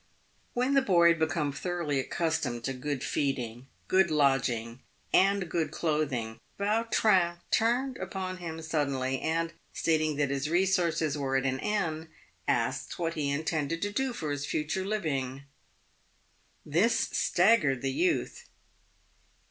"When the boy had become thoroughly accustomed to good feeding, good lodging, and good clothing, Vautrin turned upon him suddenly, and, stating that his resources were at an end, asked what he intended to do for his future living. This staggered the youth.